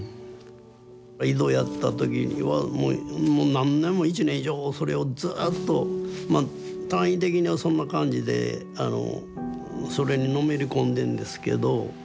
井戸やった時にはもう何年も１年以上それをずっとまあ単位的にはそんな感じでそれにのめり込んでんですけど。